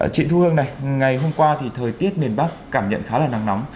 chị thu hương này ngày hôm qua thì thời tiết miền bắc cảm nhận khá là nắng nóng